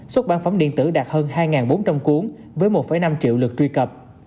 xuất bản phẩm điện tử đạt hơn hai bốn trăm linh cuốn với một năm triệu lượt truy cập